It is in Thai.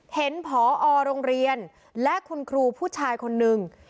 ผอโรงเรียนและคุณครูผู้ชายคนนึง